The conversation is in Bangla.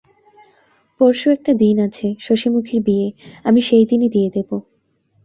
পরশু একটা দিন আছে–শশিমুখীর বিয়ে আমি সেইদিনই দিয়ে দেব।